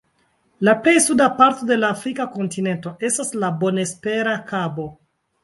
La plej suda parto de la Afrika kontinento estas la Bonespera Kabo.